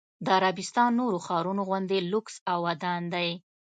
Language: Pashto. د عربستان نورو ښارونو غوندې لوکس او ودان دی.